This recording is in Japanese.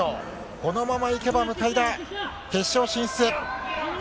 このままいけば、向田、決勝進出。